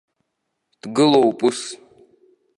Дгылоуп ус!